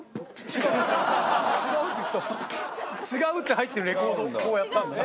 「違う」って入ってるレコードをこうやったんだね。